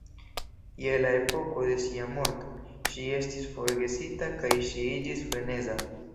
Je la epoko de sia morto ŝi estis forgesita kaj ŝi iĝis freneza.